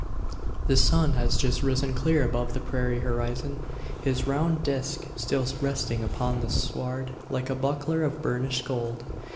The sun has just risen clear above the prairie horizon, his round disc still resting upon the sward, like a buckler of burnished gold.